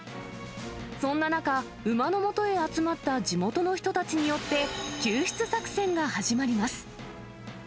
そんな中、馬のもとへ集まった地元の人たちによって、救出作戦が始まります。